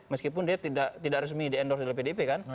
meskipun dia tidak resmi di endorse oleh pdip kan